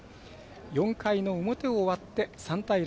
４回の表終わって３対０。